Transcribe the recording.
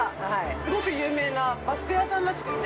すごく有名なバック屋さんらしくて。